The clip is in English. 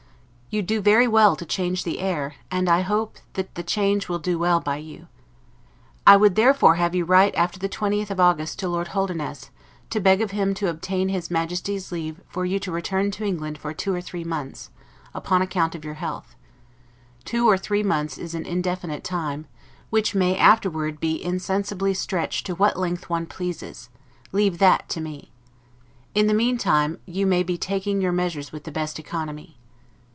You do very well to change the air; and I hope that change will do well by you. I would therefore have you write after the 20th of August, to Lord Holderness, to beg of him to obtain his Majesty's leave for you to return to England for two or three months, upon account of your health. Two or three months is an indefinite time, which may afterward insensibly stretched to what length one pleases; leave that to me. In the meantime, you may be taking your measures with the best economy.